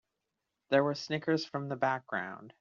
There were snickers from the background.